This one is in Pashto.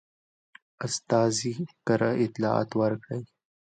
استازي کره اطلاعات ورکړل.